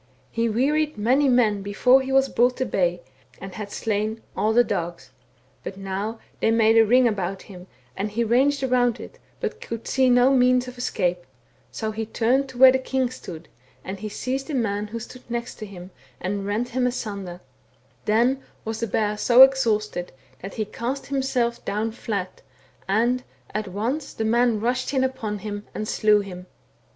He wearied many men before he was brought to bay, and . had slain all the dogs. But now they made a ring about him, and he ranged around it, but could see no means of escape, so he turned to where the king stood, and he seized a man who stood next him, and rent him asunder ; then was the bear so exhausted that he cast himself down flat, and, at once, the men rushed in upon him and slew him.